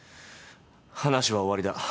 話は終わりだ。